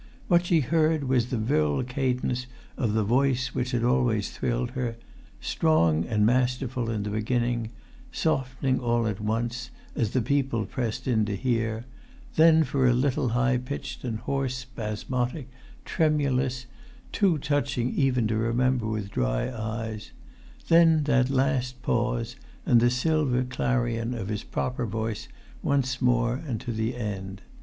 What she heard was the virile cadence of the voice which had always thrilled her; strong and masterful in the beginning; softening all at once, as the people pressed in to hear; then for a little high pitched and hoarse, spasmodic, tremulous, too touching even to remember with dry eyes; then that last pause, and the silver clarion of his proper voice once more and to the end.